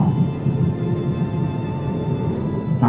aku mau ke rumah